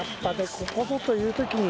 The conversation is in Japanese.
ここぞという時に。